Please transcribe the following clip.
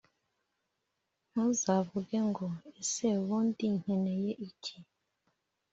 Ntuzavuge ngo «Ese ubundi nkeneye iki,